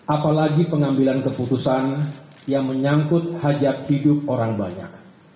apalagi pengambilan keputusan yang menyangkut hajat hidup orang banyak